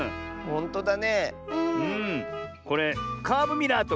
ほんとだ。